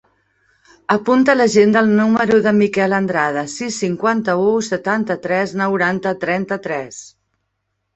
Apunta a l'agenda el número del Miquel Andrades: sis, cinquanta-u, setanta-tres, noranta, trenta-tres.